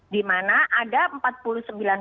di mana ada empat puluh sembilan orang